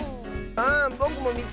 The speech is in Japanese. あぼくもみつけたい！